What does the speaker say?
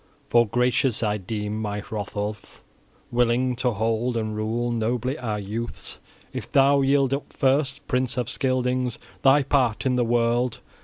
For gracious I deem my Hrothulf, {17b} willing to hold and rule nobly our youths, if thou yield up first, prince of Scyldings, thy part in the world.